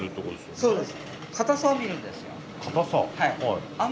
そうです。